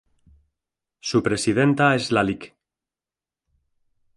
Su presidenta es la Lic.